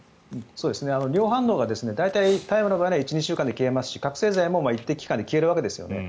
量反応は大体、大麻の場合は１２週間で消えますし覚醒剤も一定期間で消えるわけですよね。